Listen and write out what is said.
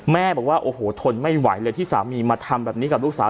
บอกว่าโอ้โหทนไม่ไหวเลยที่สามีมาทำแบบนี้กับลูกสาว